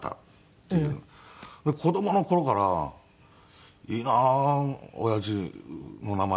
子供の頃からいいな親父の名前